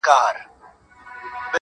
چي ښکلي سترګي ستا وویني